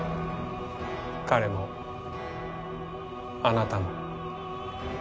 彼もあなたも。